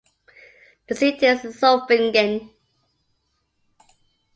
The seat is Zofingen.